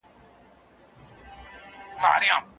فردا څوک خبر دی چې څه به کیږي.